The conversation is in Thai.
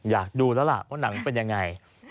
อยากดูแล้วล่ะว่าหนังเป็นยังไง